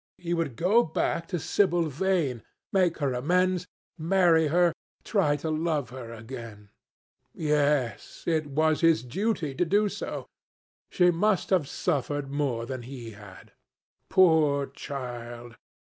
He would go back to Sibyl Vane, make her amends, marry her, try to love her again. Yes, it was his duty to do so. She must have suffered more than he had. Poor child!